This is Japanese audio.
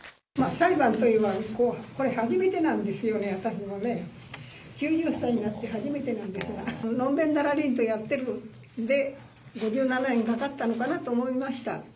裁判というのは、初めてなんですよね、私もね、９０歳になって初めてなんですが、のんべんだらりんとやってるんで、５７年かかったのかなと思いました。